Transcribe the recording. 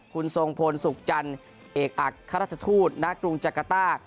คุณทรงพลสุขจันทร์เอกอักราชทูตณกรุงจักรต้า